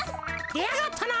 でやがったな！